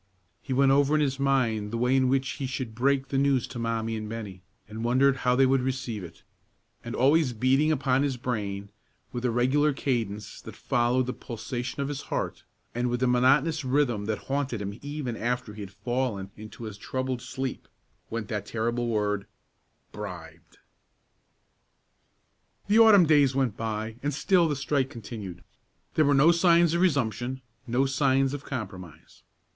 He went over in his mind the way in which he should break the news to Mommie and Bennie, and wondered how they would receive it; and always beating upon his brain, with a regular cadence that followed the pulsation of his heart, and with a monotonous rhythm that haunted him even after he had fallen into a troubled sleep, went that terrible word, Bribed! The autumn days went by, and still the strike continued. There were no signs of resumption, no signs of compromise.